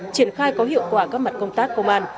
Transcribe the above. triển khai có hiệu quả các mặt công tác công an